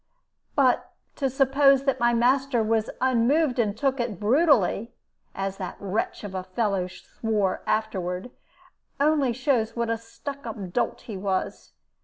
"But to suppose that my master 'was unmoved, and took it brutally' (as that wretch of a fellow swore afterward), only shows what a stuck up dolt he was.